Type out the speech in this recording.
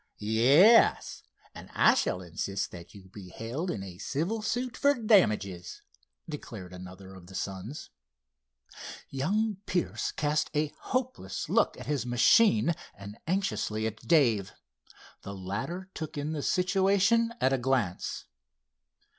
"Yes, and I shall insist that you be held in a civil suit for damages," declared another of the sons. Young Pierce cast a hopeless look at his machine and anxiously at Dave. The latter took in the situation at a glance.